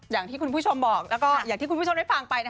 อย่างที่คุณผู้ชมไม่ฟังไป